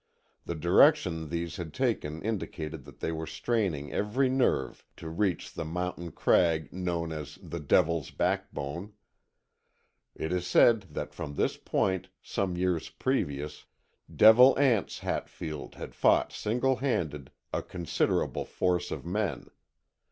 The direction these had taken indicated that they were straining every nerve to reach the mountain crag known as the "Devil's Backbone." It is said that from this point, some years previous, Devil Anse Hatfield had fought single handed a considerable force of men.